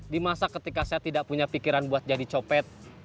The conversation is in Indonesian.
di masa ketika saya tidak punya pikiran buat jadi copet